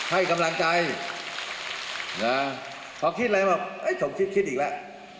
ให้กำลังใจนะเขาคิดอะไรบอกสมคิดคิดอีกแล้ว